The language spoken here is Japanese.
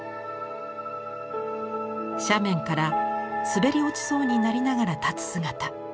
斜面から滑り落ちそうになりながら立つ姿。